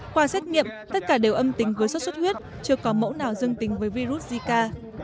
qua xét nghiệm tất cả đều âm tính với sốt xuất huyết chưa có mẫu nào dương tính với virus zika